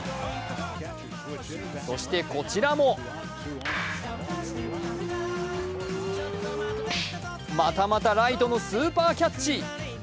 そしてこちらもまたまたライトのスーパーキャッチ。